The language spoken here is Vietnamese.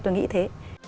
tôi nghĩ thế